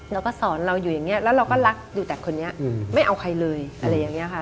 เราก็สอนเราอยู่อย่างนี้แล้วเราก็รักอยู่แต่คนนี้ไม่เอาใครเลยอะไรอย่างนี้ค่ะ